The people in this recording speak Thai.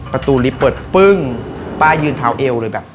ประตูลิฟต์เปิดปึ้งป้ายืนเท้าเอวเลยแบบ